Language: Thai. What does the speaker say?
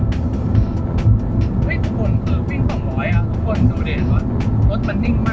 เฮ้ยทุกคนเผื่อวิ่งสองร้อยอ่ะ